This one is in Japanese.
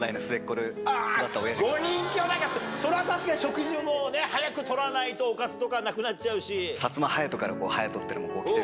あ５人きょうだいかそれは確かに食事も早く取らないとおかずとかなくなっちゃうし。